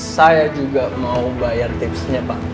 saya juga mau bayar tipsnya pak